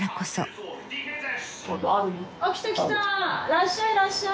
らっしゃいらっしゃい。